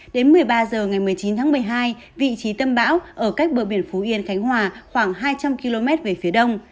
đến một mươi ba h ngày một mươi chín tháng một mươi hai vị trí tâm bão ở cách bờ biển phú yên khánh hòa khoảng hai trăm linh km về phía đông